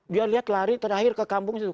dia lihat lari terakhir ke kampung situ